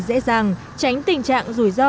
dễ dàng tránh tình trạng rủi ro